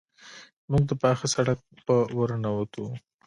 موږ د پاخه سړک په ورننوتو.